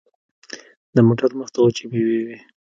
د موټر مخته وچې مېوې وې.